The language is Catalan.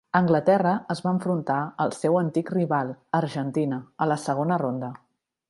Anglaterra es va enfrontar al seu antic rival, Argentina, a la segona ronda.